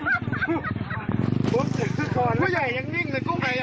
ได้แล้วมาเหลือวันนี้เลยก็หาแม่แม่น